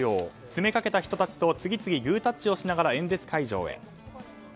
詰めかけた人たちと次々とグータッチをしながら演説会場へ。